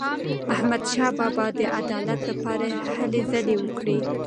احمدشاه بابا د عدالت لپاره هلې ځلې وکړې.